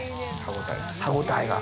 歯応えが。